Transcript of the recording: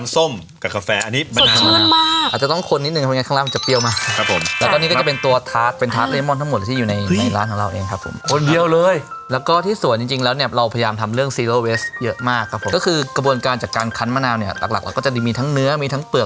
อาจจะต้องคนนิดนึงเพราะงั้นข้างล่างมันจะเปรี้ยวมากครับผมแล้วก็นี่ก็จะเป็นตัวทาสเป็นทาสเมมอนทั้งหมดที่อยู่ในร้านของเราเองครับผมคนเดียวเลยแล้วก็ที่สวนจริงแล้วเนี่ยเราพยายามทำเรื่องซีโรเวสเยอะมากครับผมก็คือกระบวนการจากการคั้นมะนาวเนี่ยหลักหลักเราก็จะมีทั้งเนื้อมีทั้งเปลือก